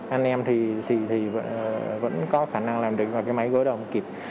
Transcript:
anh em thì vẫn có khả năng làm được mà cái máy gối đầu không kịp